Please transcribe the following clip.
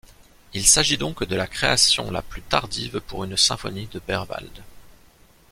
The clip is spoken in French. Il s'agit donc de la création la plus tardive pour une symphonie de Berwald.